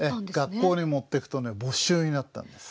学校に持ってくとね没収になったんです。